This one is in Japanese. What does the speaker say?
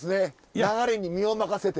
流れに身を任せて。